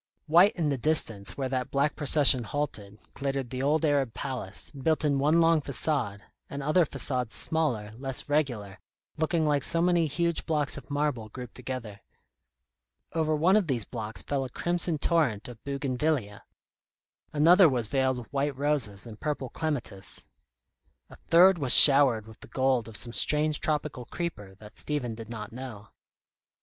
White in the distance where that black procession halted, glittered the old Arab palace, built in one long façade, and other façades smaller, less regular, looking like so many huge blocks of marble grouped together. Over one of these blocks fell a crimson torrent of bougainvillæa; another was veiled with white roses and purple clematis; a third was showered with the gold of some strange tropical creeper that Stephen did not know.